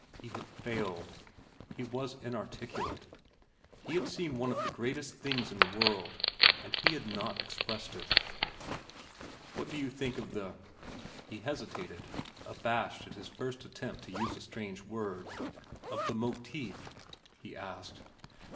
He had failed. He was inarticulate. He had seen one of the greatest things in the world, and he had not expressed it. "What did you think of the—" He hesitated, abashed at his first attempt to use a strange word. "Of the motif?" he asked.